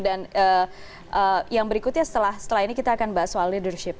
dan yang berikutnya setelah ini kita akan bahas soal leadership